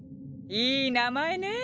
いい名前ね。